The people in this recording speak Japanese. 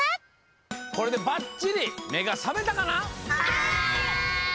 これでばっちりめがさめたかな？